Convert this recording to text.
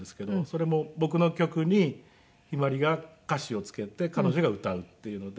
それも僕の曲に向日葵が歌詞をつけて彼女が歌うっていうので。